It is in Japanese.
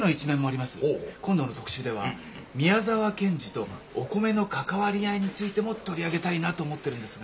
おお。今度の特集では宮沢賢治とお米の関わり合いについても取り上げたいなと思ってるんですが。